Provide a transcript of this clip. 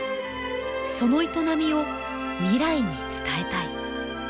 その営みを未来に伝えたい。